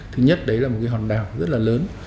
thứ nhất đấy là một hòn đảo rất lớn